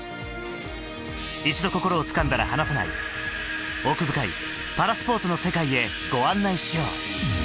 一度心をつかんだら離さない奥深いパラスポーツの世界へご案内しよう！